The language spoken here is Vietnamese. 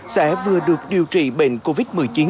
sẽ vừa được điều trị bệnh covid một mươi chín